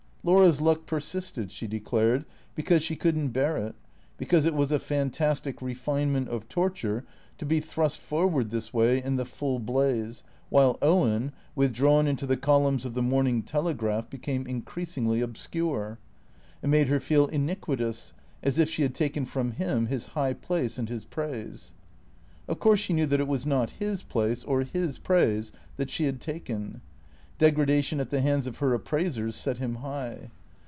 Laura's luck persisted (she declared) because she could n't bear it, because it was a fantastic refinement of torture to be thrust forward this way in the full blaze, while Owen, withdrawn into the columns of the " Morning Telegraph," became increasingly obscure. It made her feel iniquitous, as if she had taken from him his high place and his praise. Of course she knew that it was not his place or his praise that she had taken; degradation at tlie hands of her appraisers set him high.